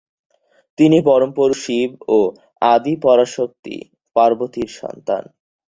তিনি পরম পুরুষ শিব ও আদি পরাশক্তি পার্বতীর সন্তান।